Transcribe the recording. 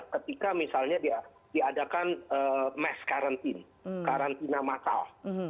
ketika misalnya diadakan mass quarantine karantina massal